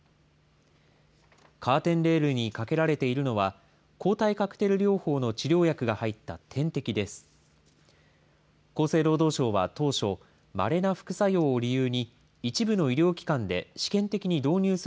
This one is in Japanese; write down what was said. カーテンレールに掛けられているのは、抗体カクテル療法の治療薬が入った点滴です。